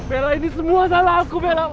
bella ini semua salah aku bella